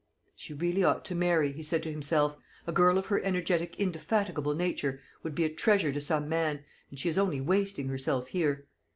"She really ought to marry," he said to himself. "A girl of her energetic indefatigable nature would be a treasure to some man, and she is only wasting herself here.